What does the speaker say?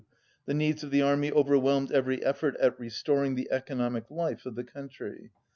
The needs of the army overwhelmed every effort at restoring the economic life of the country.